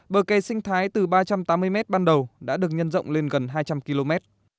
bờ kè sinh thái từ ba trăm tám mươi mét ban đầu đã được nhân rộng lên gần hai trăm linh km